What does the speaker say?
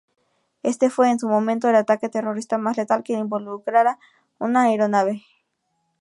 Este fue, en su momento, el ataque terrorista más letal que involucrara una aeronave.